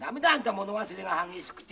物忘れが激しくて。